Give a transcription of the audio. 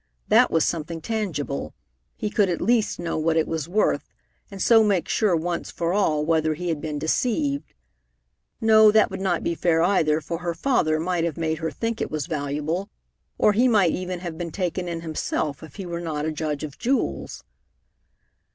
That was something tangible. He could at least know what it was worth, and so make sure once for all whether he had been deceived. No, that would not be fair either, for her father might have made her think it was valuable, or he might even have been taken in himself, if he were not a judge of jewels.